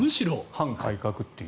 反改革という。